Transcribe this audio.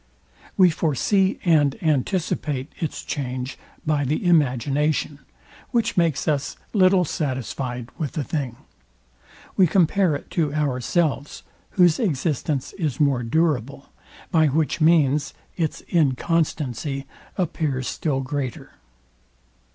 We foresee and anticipate its change by the imagination; which makes us little satisfyed with the thing: We compare it to ourselves, whose existence is more durable; by which means its inconstancy appears still greater.